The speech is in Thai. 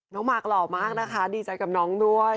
น้องมาร์คหลอบมากนะคะดีใจกับน้องด้วย